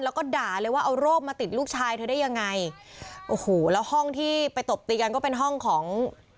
แล้วก็ด่าเลยว่าเอาโรคมาติดลูกชายเธอได้ยังไงโอ้โหแล้วห้องที่ไปตบตีกันก็เป็นห้องของ